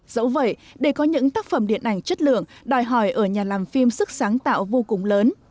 dẫu vậy để có những tác phẩm điện ảnh chất lượng đòi hỏi ở nhà làm phim sức sáng tạo vô cùng lớn